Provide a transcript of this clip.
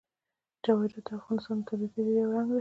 جواهرات د افغانستان د طبیعي پدیدو یو رنګ دی.